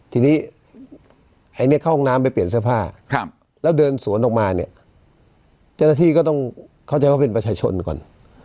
ทีนี้ไอ้เนี่ยเข้าห้องน้ำไปเปลี่ยนเสื้อผ้าแล้วเดินสวนออกมาเนี่ยเจ้าหน้าที่ก็ต้องเข้าใจว่าเป็นประชาชนก่อน